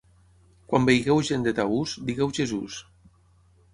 Quan veieu gent de Taús, digueu Jesús!